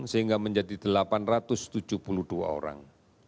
sehingga menjadi delapan ratus tujuh puluh dua orang